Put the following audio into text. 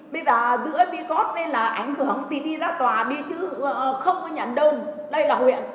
bây giờ giữa biscone nên là ảnh hưởng thì đi ra tòa đi chứ không có nhận đơn đây là huyện